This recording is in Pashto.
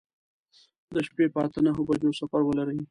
د شپې په اته نهو بجو سفر ولرئ.